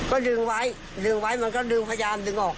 ก็ดึงไว้ดึงไว้มันก็ดึงพยายามดึงออก